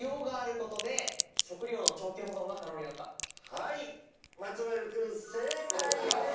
はい松丸君正解です。